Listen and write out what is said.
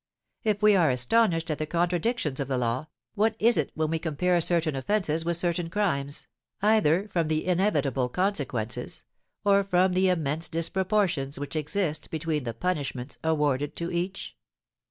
If we are astonished at the contradictions of the law, what is it when we compare certain offences with certain crimes, either from the inevitable consequences, or from the immense disproportions which exist between the punishments, awarded to each?